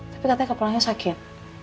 tapi katanya kepulangannya sakit